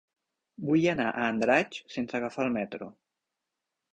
Vull anar a Andratx sense agafar el metro.